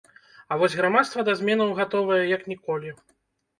А вось грамадства да зменаў гатовае, як ніколі.